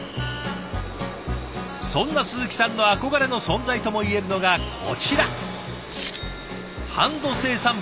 そんな鈴木さんの憧れの存在ともいえるのがこちら。